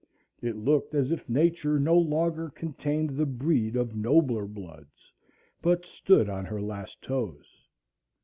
It looked as if Nature no longer contained the breed of nobler bloods, but stood on her last toes.